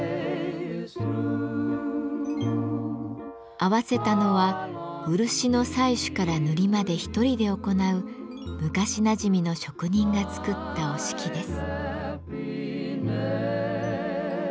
合わせたのは漆の採取から塗りまで１人で行う昔なじみの職人が作った折敷です。